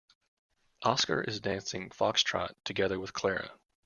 Oscar is dancing foxtrot together with Clara.